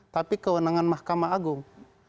tapi kewenangan mahkamah agung